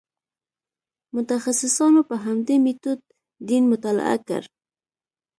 متخصصانو په همدې میتود دین مطالعه کړ.